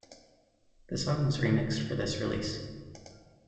The song was remixed for this release.